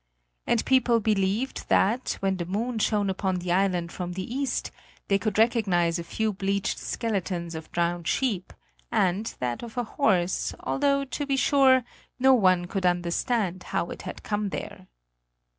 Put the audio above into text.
And people believed that, when the moon shone upon the island from the east, they could recognise a few bleached skeletons of drowned sheep and that of a horse, although, to be sure, no one could understand how it had come there.